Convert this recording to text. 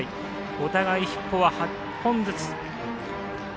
お互いヒットは８本ずつ。